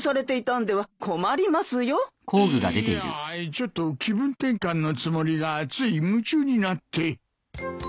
ちょっと気分転換のつもりがつい夢中になって。